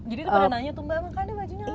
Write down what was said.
jadi tuh pada nanya tuh mbak mbak kadik mau apa